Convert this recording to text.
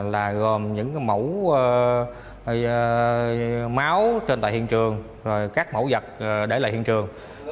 là gồm những mẫu máu trên tại hiện trường rồi các mẫu vật để lại hiện trường